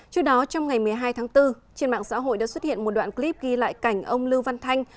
trước đó trong ngày một mươi hai tháng bốn trên mạng xã hội đã xuất hiện một đoạn clip ghi lại cảnh ông lưu văn thanh